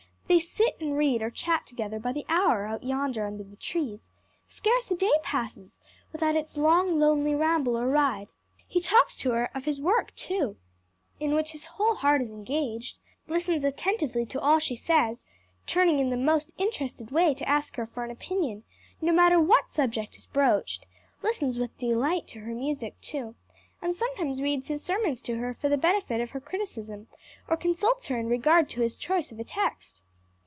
They sit and read or chat together by the hour out yonder under the trees; scarce a day passes without its long, lonely ramble or ride. He talks to her of his work too, in which his whole heart is engaged; listens attentively to all she says turning in the most interested way to her for an opinion, no matter what subject is broached; listens with delight to her music too, and sometimes reads his sermons to her for the benefit of her criticism, or consults her in regard to his choice of a text."